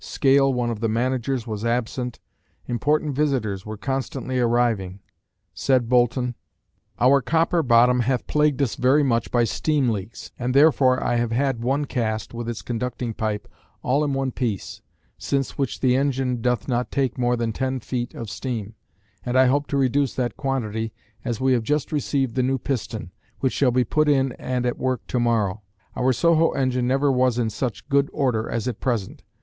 Scale, one of the managers, was absent. Important visitors were constantly arriving. Said Boulton: Our copper bottom hath plagued us very much by steam leaks, and therefore I have had one cast (with its conducting pipe) all in one piece; since which the engine doth not take more than 10 feet of steam, and I hope to reduce that quantity, as we have just received the new piston, which shall be put in and at work tomorrow. Our Soho engine never was in such good order as at present.